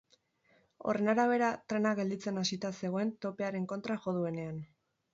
Horren arabera, trena gelditzen hasita zegoen topearen kontra jo duenean.